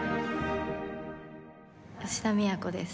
吉田都です。